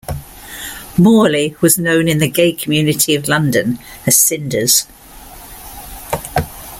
Morley was known in the gay community of London as "Sinders".